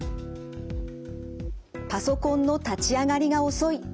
パソコンの立ち上がりが遅い。